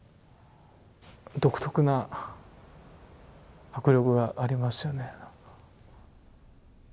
独特な迫力がありますよね。